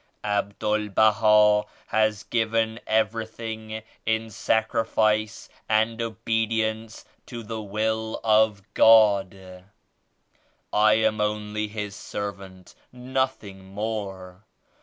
Abdul Baha has given everything in sacrifice and obedience to die Will of God. I am only His Servant; noth ing more.